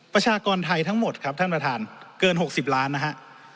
ประชากรไทยทั้งหมดครับท่านประธานเกิน๖๐ล้านนะฮะ